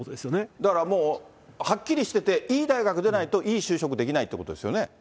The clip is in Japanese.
だからもう、はっきりしてて、いい大学出ないといい就職できないってことですよね。